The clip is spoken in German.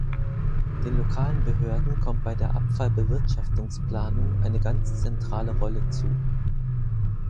Den lokalen Behörden kommt bei der Abfallbewirtschaftungsplanung eine ganz zentrale Rolle zu.